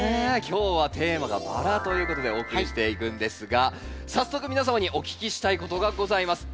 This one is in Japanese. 今日はテーマが「バラ」ということでお送りしていくんですが早速皆様にお聞きしたいことがございます。